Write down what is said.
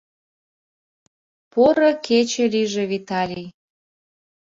Поро. кече лийже, Виталий.